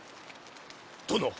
殿！